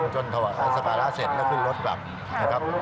จนถวายสการะเสร็จแล้วขึ้นรถกลับ